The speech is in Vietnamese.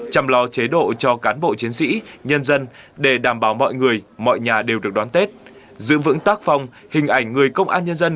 chăm lo chế độ cho cán bộ chiến sĩ nhân dân để đảm bảo mọi người mọi nhà đều được đón tết giữ vững tác phong hình ảnh người công an nhân dân